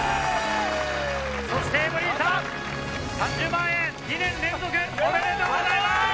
そしてエブリンさん３０万円２年連続おめでとうございます！